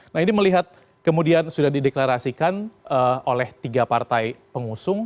nah ini melihat kemudian sudah dideklarasikan oleh tiga partai pengusung